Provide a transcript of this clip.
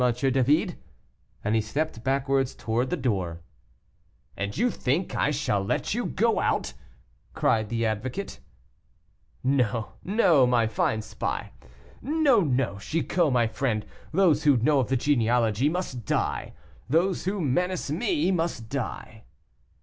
David," and he stepped backwards towards the door. "And you think I shall let you go out," cried the advocate. "No, no, my fine spy; no, no, Chicot, my friend, those who know of the genealogy must die. Those who menace me must die."